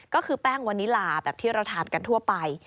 ก็คือแป้งวันนี้ลาแบบที่เราทานกันทั่วไป